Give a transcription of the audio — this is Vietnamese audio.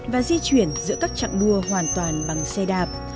và di chuyển giữa các trạng đua hoàn toàn bằng xe đạp